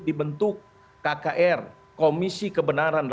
dibentuk kkr komisi kebenaran